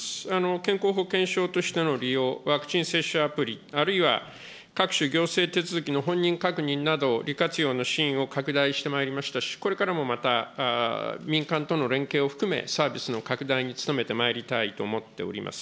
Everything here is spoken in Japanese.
健康保険証としての利用、ワクチン接種アプリ、あるいは、各種行政手続きの本人確認など、利活用のシーンを拡大してまいりましたし、これからもまた、民間との連携を含め、サービスの拡大に努めてまいりたいと思っております。